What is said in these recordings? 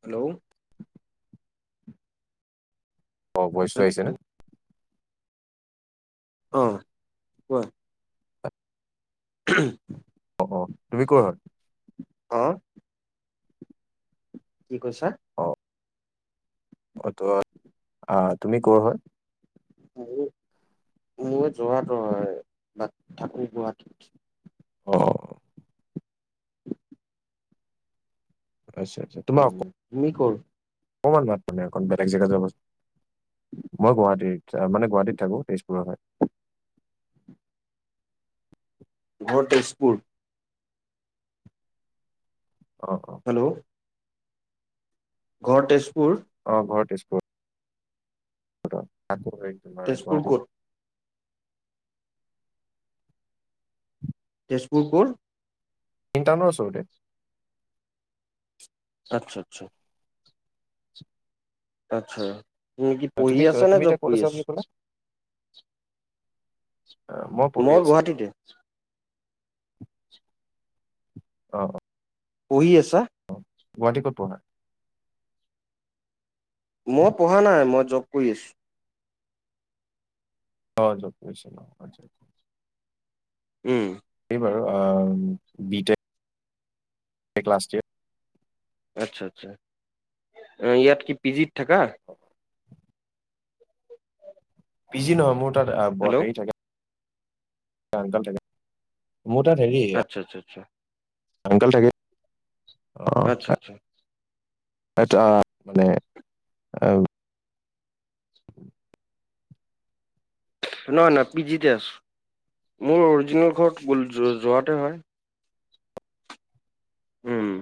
Hello! অ' ভইচটো আহিছেনে? অ' কোৱা। [unintelligible] অ' অ' তুমি কৰ হয়? [unintelligible] কি কৈছা? অ' ত' আহ, তুমি কৰ হয়? মই যোৰহাটৰ হয়, তাত থাকো গুৱাহাটীত। অ'। আচ্ছা আচ্ছা তোমাৰ একো? তুমি কৰ। অকমান [unintelligible] মানে অকণ বেলেগ জেগা জাবাচুন। মই গুৱাহাটী মানে গুৱাহাটীত থাকো, তেজপুৰৰ হয়। [inaudible] ঘৰ তেজপুৰ। অ', অ'। হেল্ল' ঘৰ তেজ অ' ঘৰ তেজপুৰ। তাকৌ হে-তোমাৰ তেজপুৰ গুৱাহাটীত। ক'ত? তেজপুৰ ক'ৰ? মেইন টাউনৰ ওচৰতে। আচ্ছা আচ্ছা। আচ্ছা, তুমি কি আহ, পঢ়ি তুমি ক- আছা নে তুমি জব এতিয়া ক'ত কৰি আছা? বুলি ক'লা? আহ, মই পঢ়ি আছিলো। অ', অ'। পঢ়ি আছা? গুৱাহাটীৰ ক'ত পঢ়া? মই পঢ়া নাই, মই জব কৰি আছোঁ। হয়, জব কৰিছা। উম। এই বাৰু অ' বিতেট এক লাষ্ট ইয়েৰ। আচ্ছা, আচ্ছা ইয়াত কি পিজিত থাকা? পিজি নহয়, মোৰ তাত হেল্ল' আ-ব-হেৰি থাকে। আংকল থাকে। মোৰ তাত হেৰি আচ্ছা, আচ্ছা, আচ্ছা, আচ্ছা। আংকল থাকে। অ' আচ্ছা, আচ্ছা। [unintelligible] মানে [unintelligible] না না পিজিতে আছো মোৰ অৰিজিনেল ঘৰত যোৰ যোৰহাটৰ হয় উম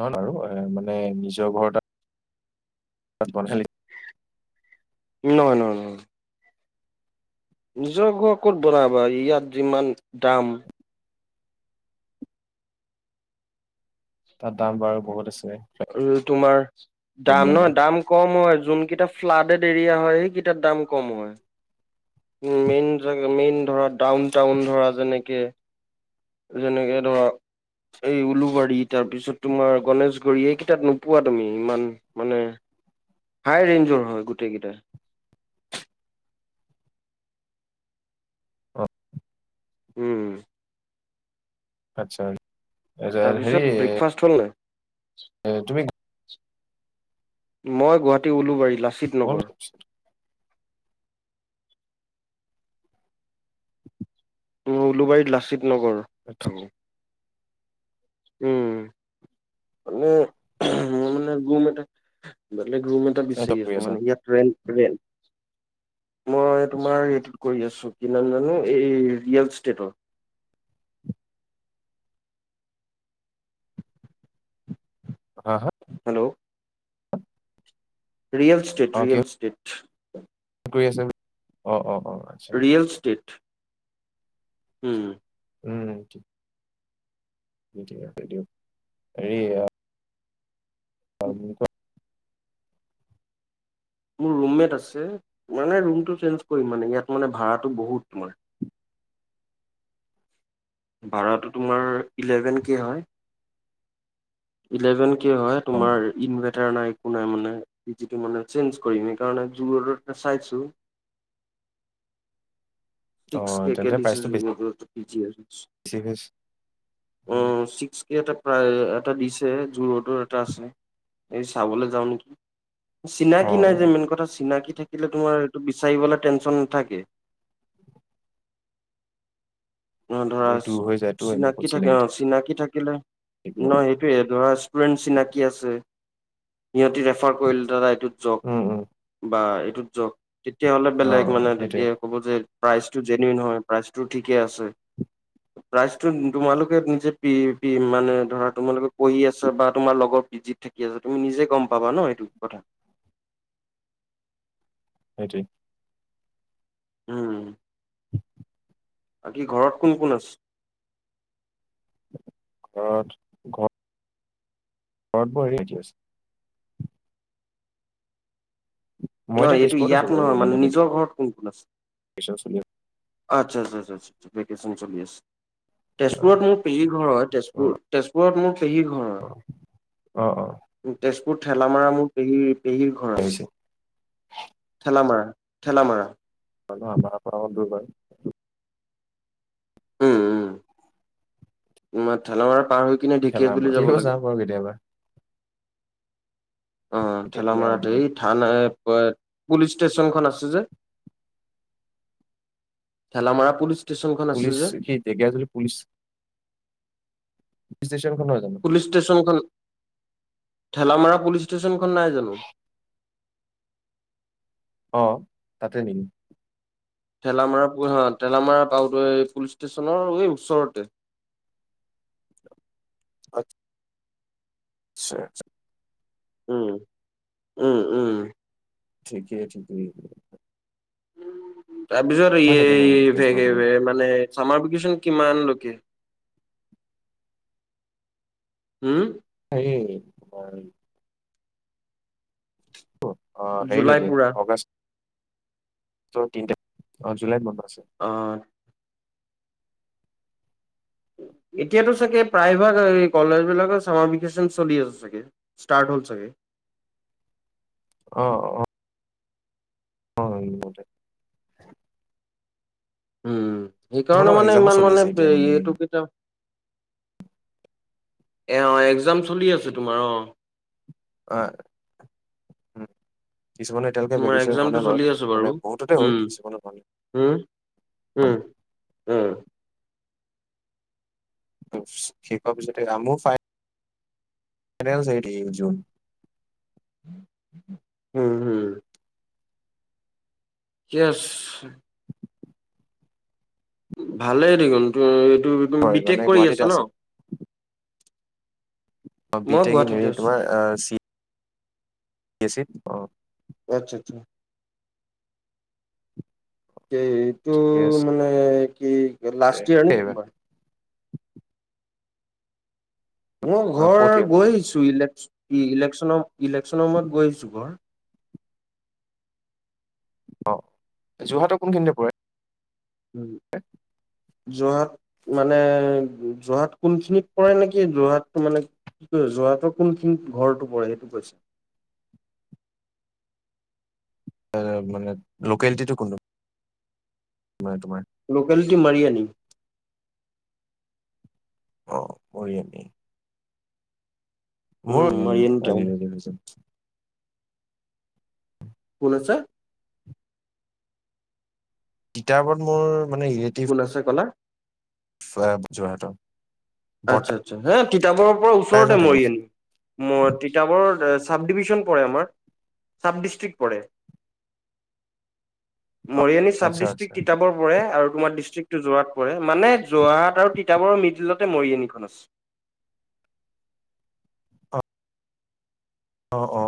না নাও আৰু মানে নিজৰ ঘৰতে বন্ধালি নাই নাই নাই নিজৰ ঘৰ ক'ত বনাবা ইয়াত যিমান দাম তাত দাম বাৰু বহুত আছে আৰু তোমাৰ দাম নহয় এইবিলাকৰ দাম কম হয়। যোনকেইটা ফ্লাডেড এৰিয়া হয় সেইকেইটাৰ দাম কম হয় মেইন জা মেইন ধৰা ডাউন টাউন ধৰা যেনেকে যেনেকে ধৰা এই উলুবাৰী তাৰপিছত তোমাৰ গণেশগুৰি এইকেইটাত নোপোৱা তুমি ইমান মানে হাই ৰেঞ্জৰ হয় গোটেই কেইটা অ উম আত্ছা তাৰপিছত ব্ৰেকফাষ্ট হ'ল নাই অ তুমি মই গুৱাহাটী উলুবাৰী লাচিত নগৰ উলুবাৰীত লাচিত নগৰ থাকোঁ উম মানে মই মানে গোম এটে বেলেগ ৰুম এটা বিছাৰি কৰি আছো আছা মানে ইয়াত ৰেন্ট ৰে মই তোমাৰ এইটোত কৰি আছো কি নাম জানো এই ৰিয়েল ইষ্টেটৰ [unintelligible] অ hello real estate real state গৈ আছে অ অ অ আচ্ছা ৰিয়েল ষ্টেট উম উম ঠিক ঠিক আছে দিয়ক হেৰি আ হয় মো ক মোৰ ৰুমমেট আছে মানে ৰুমটো চেঞ্জ কৰিম মানে ইয়াত মানে ভাড়াটো বহুত তোমাৰ ভাড়াটো তোমাৰ ইলেভেন কে হয় ইলেভেন সেইটো হয় অ তোমাৰ ইনভে না নাই একো নাই মানে পিজিটো মানে চেঞ্জ কৰিম সেকাৰণে মানে জু-ৰডতে চাইছো অ ফিক্স কে কে তেন্তে প্ৰাইচটো দিচেচ [unintelligible] পি জি আৰু বেছি হৈছে অ ছিক্স কেতট প্ৰায় এটা দিছে জোৰতো এটা আছে এই চাবলে যাওঁ নিকি অ অ চিনাকি নাই যে মেইন কথা চিনাকি থাকিলে তোমাৰ এইটো বিচাৰিবলে টেনচন নাথাকে অ', ধৰা বোলো দূৰ হৈ যায়তো এনে ক'ত চিনাকি থাকে অ চিনাকি থাকিলে থাকিব নহ আৰু সেইটোয়ে ধৰা টোয়েন চিনাকি আছে সিহঁতি ৰেফাৰ কৰিলে দাদা এইটোত উম উম যওক বা এইটোত যওক তেতিয়াহ'লে অ অ বেলেগ মানে সেইটোৱে তেতিয়া ক'ব যে প্ৰাইচটো জেনুৱেন হয় প্ৰাইচটো ঠিকে আছে প্ৰাইজটো তোমালোকে নিজে পিএ পি মানে ধৰা তোমালোকে কৰি আছা বা তোমাৰ লগৰ পিজি থাকি আছ তুমি নিজে গম পাবা ন সেইটো কথা হয়টো উম বাকী ঘৰত কোন কোন আছে ঘৰত ঘৰ ঘৰত বৰিয়াকিছে মই এতিয়া নহয়, এইটো তেজপুৰত ইয়াত নহয়, মানে নিজৰ ঘৰত কোন, কোন আছে। বিশচনীয় আচ্ছা আচ্ছা ভেকেশ্যন চলি আছে। তেজপুৰত মোৰ পেহী ঘৰ হয়, তেজপুৰ, অ', তেজপুৰত মোৰ পেহীৰ ঘৰৰ, অ', অ', তেজপুৰ ঠেলামাৰা, মোৰ পেহীৰ পেহীৰ ঘৰাছে আহিছে ঠেলামাৰা, ঠেলামাৰা হয়, আমাৰ পৰা দূৰ হয়। উম, উম তোমাৰ ঠেলামৰা পাৰ হৈ। কিনে ঠেলা মাৰ ঢেকিয়াজুলি যাব খেলিব যাম লাগে। বাৰু কেতিয়াবা। অ, ঢেকীয়াজুলি আউট ঠেলামৰাটোএ, গাঁও থান পুলিচ ষ্টেচনখন আছে যে ঠেলামাৰা পুলিচ ষ্টেচনখন আছে পুলিচ যে কি ঢেকিয়াজুলি পুলিচ। পুলিচষ্টেচন খন নহয়, জানো। পুলিচ ষ্টেচনখন ঠেলামাৰা পুলিচ ষ্টেচনখন নাই জানো। অ, তাতে নেকি? ঠেলামাৰ, হ ঠেলামাৰা, পাওঁতে, পুলিচ ষ্টেচনৰ এই ওচৰতে। [inaudible] আচ্ছা, আচ্ছ। উম, উম, উম। ঠিকে, ঠিকে। তাৰপিছত ন তেজপুৰৰ ফালে এই, মানে চামাৰ ভেকচন কিমান লৈকে? উম সেই হয়। অ, হেৰি জুলাই লৈকে পুৰা আগষ্টৰ, তিনি তাৰিখ, অ, জুলাইত বন্ধ। আছে অ'। উম। এতিয়াতো চাগে, প্ৰায়ভাগ কলেজ বিলাকৰ চামাৰ ভেকেচন চলি আছে চাগে ষ্টাৰ্ট হ'ল চাগে। [unintelligible] অ, অ। অ, ইম্পৰ্টেণ্ট। উম, সেইকাৰণে মানে, এক্সামো ইমান চলি মানে আছে এতিয়া এইটো কেইটা এ, এক্সাম চলি আছে তোমাৰ, অ। অ, উম। কিছুমানে এতিয়ালৈকে তোমাৰ ভেকেশচন হোৱা এক্জামটো নাই বাৰু, চলি আছে মানে বহুততে, হ'ল উম কিছুমানৰ হোৱা নাই। উম উম, উম। উম, শেষহুৱাপিছট, মোৰ ফাইনেল [unintelligible] উম, হম। ইএচ। ভালে দেখোন, তো এইটো তুমি হয় বি, টেক মানে কৰি আছা গুৱাহাটীতে ন। অ, বি, মই টেক, গুৱাহাটীতে হেৰী আছো। তোমাৰ, অ, চি কি আছিল, অ। আচ্ছা আচ্ছা এ, টো ঠিকে মানে কি, লাষ্ট ইয়াৰ নেকি আছে তোমাৰ? মই ঘৰ ফৰ্থ ইয়েৰ গৈ আহিছো। ইলেক ই, ইলেকশ্যনৰ, ইলেকশ্যনৰ সময়ত গৈ আহিছো ঘৰ। অ, যোৰহাটৰ কোনখিনিতে পৰে? উম, যোৰহাট মানে যহাট কোনখিনিত পৰে নেকি যোৰহাটটো মানে কি? কোন খিনিতঘৰটো পৰেসেইটো কৈছোঁ। মানে লোকেলিটিটো কোনো তোমাৰ লোকেলিটি মাৰি আনি। অ' মৰি আনি। উম মাৰিয়ানী টাউন। [inaudible] কোন আছে? কিতাপত মোৰ মানে ৰিলেটিভ কোন আছে কলা? [inaudible] বৰ্তা আচ্ছা আচ্ছা হা তিতাবৰৰ পৰা ওচৰতে এজন থাকে মৰি আনি ম তিতাব চাব ডিভিশন পৰে আমাৰ চাব ডিষ্টষ্ট্ৰিক্ পৰে। মৰিয়ানী চাব আচ্ছা ডিষ্টষ্ট্ৰিক্ আচ্ছা তিতাবৰ পৰে আৰু তোমাৰ ডিষ্টষ্ট্ৰিক টো যোৰহাত পৰে, মানে যোৰহাট আৰু তিতাবৰ মিডিলত তাতে মৰিয়ানিখন আছে। অ অ 'অ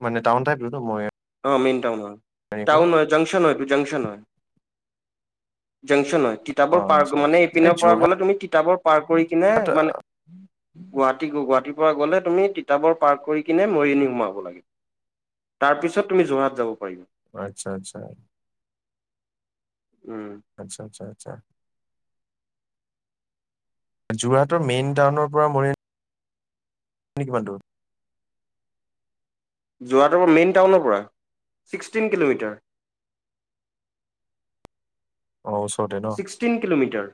'মানে টাউন টাইপটোতো মই অ' মেইন টাউন হয় টাউন নহয় জংকশন হয় এটো জংকশন হয়। জাংশচন হয় তিতাবৰ অ আচ্ছা পাৰ্ক মানে আচ্ছা এই এইপিনৰ পৰা যোৰহাট গ'লে তুমি তিতাবৰ পাৰ্ক কৰি কিনে মানে গুৱাহাটী গ গুৱাহাটীৰ পৰা গ'লে তুমি তিতাবৰ পাৰ্ক কৰি কিনে মৰিআনী সোমাব লাগিব। তাৰ পিছত তুমি যোৰহাট যাব পাৰিবা। অ' আচ্ছা আচ্ছা। উম আচ্ছা আচ্ছা আচ্ছা। যোৰহাটৰ মেইন টাউনৰ পৰা মৰি এনে কিমান দোৰ। যোৰহাটৰ পৰা মেইন টাউনৰ পৰা ছিক্সটিন কিলোমিটাৰ। [inaudible] অ' ওচৰতে ন? Sixteen kilometre.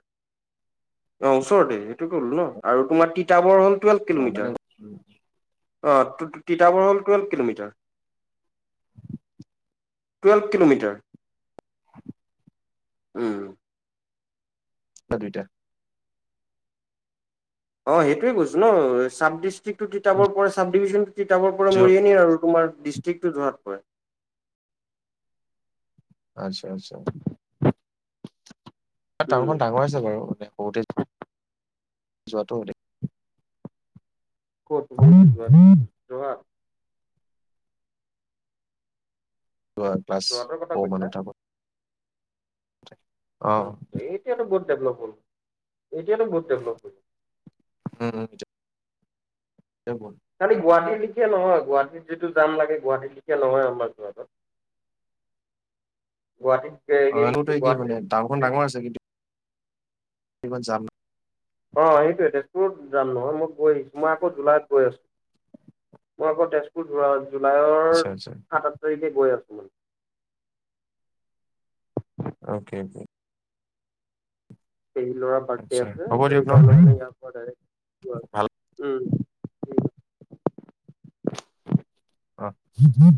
অ ওচৰতে সেইটো ক'লো ন আৰু তোমাৰ তিতাবৰ হ'ল অ' মানে উ- অ'তিতাবৰ হ'ল টুৱেলভ কিলোমিটাৰ। Twelve kilometre. উম, অ'দুইটা। অ' সেইটোৱেই কৈছো ন চাব ডিষ্ট্ৰিক্টো তিতাবৰ পৰে ডিভি তিতাবৰ পৰে য মৰিয়ানি আৰু তোমাৰ ডিষ্ট্ৰিক্টো যোৰহাত পৰে। আচ্ছা আচ্ছা। উম টাউনখন ডাঙৰ আছে বাৰু মান সৰূতে যোৰহাটৰ দৰে। [inaudible] [unintelligible] ক্লাছ যোৰহাটৰ কথা [unintelligible] কৈছা মানত থাকো [inaudible] এতিয়াটো বহুত ডভলপ এতিয়াটো বহুত ডেভলপ হৈ উম উম, [inaudible] খালি গুৱাহাটীৰ লিখিয়া নহয়। গুৱাহাটীত যিটো যাম লাগে গুৱাহাটীত লিখিয়া নহয় আমাৰ যোৰহাটত। গুৱাহাটীত অ' আনতো এই একে মানে টাউনখন ডাঙৰ গুৱাহাটীৰ আছে কিন্তু। [inaudible] অ' সেইটোৱে তেজপুৰ যাম নহয় মই গৈ আহিছোঁ মই আকৌ জুলাইত গৈ আছোঁ। মই আকৌ তেজপুৰ আচ্ছা জুলাইৰ আচ্ছা সাত আঠ তাৰিখে গৈ আছো। অকে। পেহী লৰা বাৰ্থডে আচ্ছা আছে হ'ব দিয়ক ন ইয়াৰ পৰা ভাল ডাইৰেক্ট [unintelligible] অ' হ হুম।